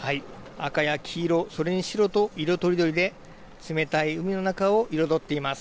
赤や黄色そして白と色とりどりで冷たい海の中を彩っています。